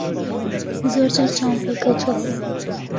زۆر جار چاوم پێی کەوتووە.